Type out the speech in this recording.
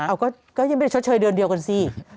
เอาก็ยังไม่ได้ชดเชยเดือนเดียวกันสิ